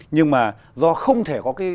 nhưng mà do không thể có cái